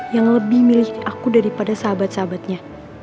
yang lebih milih aku daripada sahabat sahabatnya